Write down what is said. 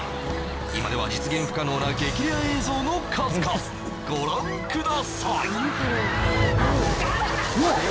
今では実現不可能な激レア映像の数々ご覧ください